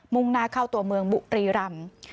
่งหน้าเข้าตัวเมืองบุรีรำ